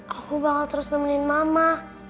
aku bakal terus nemenin mama